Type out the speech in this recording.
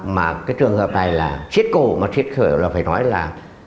mà cái trường hợp này là xích cổ mà xích cổ là phải nói là